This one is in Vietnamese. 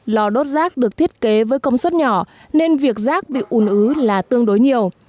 lò đốt rác được thiết kế với công suất nhỏ nên việc rác bị ủn ứ là tương đối nhiều